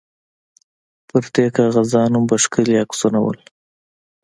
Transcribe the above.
پر دې کاغذانو به ښکلي عکسونه وو.